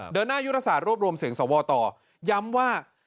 เดินหน้ายุทธศาสตร์รวบรวมเสียงสวต่อย้ำว่า